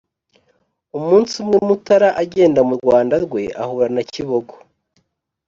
umunsi umwe mutara agenda mu rwanda rwe ahura na kibogo